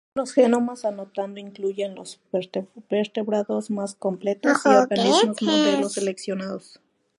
Los genomas anotados incluyen los vertebrados más completos, y organismos modelo seleccionados.